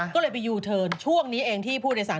ก็เลยไปยูเทิร์นช่วงนี้เองที่ผู้โดยสาร